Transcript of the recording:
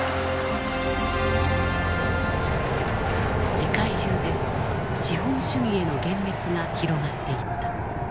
世界中で資本主義への幻滅が広がっていった。